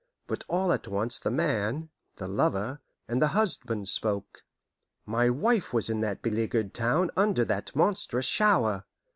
But all at once the man, the lover, and the husband spoke: my wife was in that beleaguered town under that monstrous shower!